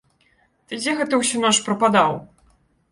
Ты дзе гэта ўсю ноч прападаў?